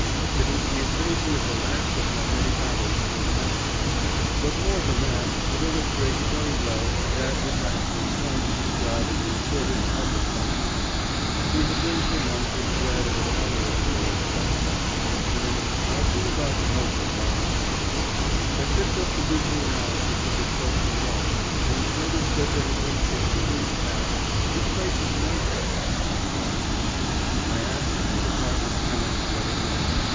It was the occasion of the last of my many battles for the mastery; but, more than that, it illustrates very well that which I have been trying to describe as a reporter's public function. We had been for months in dread of a cholera scourge that summer, when, mousing about the Health Department one day, I picked up the weekly analysis of the Croton water and noticed that there had been for two weeks past "a trace of nitrites" in the water. I asked the department chemist what it was.